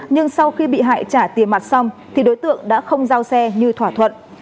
nhưng sau khi bị hại trả tiền mặt xong thì đối tượng đã không giao xe như thỏa thuận